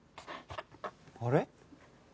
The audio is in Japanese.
あれ？